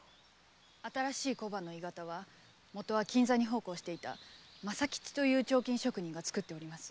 新しい小判の鋳型は元は金座に奉公していた政吉という彫金職人が作っております。